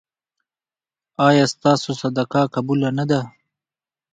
ایا ستاسو صدقه قبوله نه ده؟